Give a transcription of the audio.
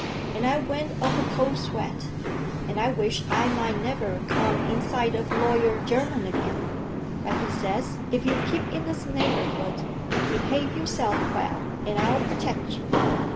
And I went of a cold sweat, and I wished I might never come i' sight o' Lawyer Jermyn again. But he says, if you keep i' this neighborhood, behave yourself well, and I'll pertect you.